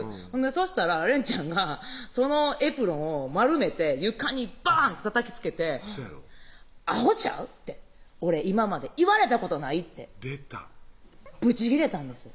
そしたら連ちゃんがそのエプロンを丸めて床にバンってたたきつけて「アホちゃう「俺今まで言われたことない」って出たブチ切れたんです